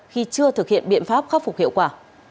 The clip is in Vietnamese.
khi chưa thực hiện biện pháp khắc phục hiệu quả